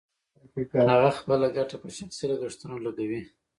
هغه خپله ګټه په شخصي لګښتونو لګوي